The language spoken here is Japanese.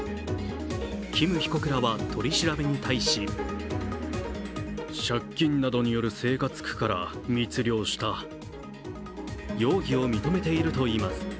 キム被告らは取り調べに対し容疑を認めているといいます。